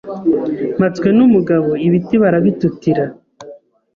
Mpatswenumugabo Ibiti barabitutira